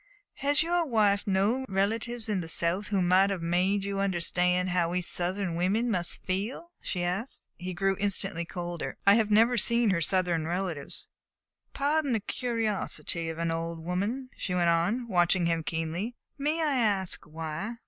"Has your wife no relatives in the South who might have made you understand how we Southern women must feel?" she asked. He grew instantly colder. "I have never seen her Southern relatives." "Pardon the curiosity of an old woman," she went on, watching him keenly; "may I ask why?"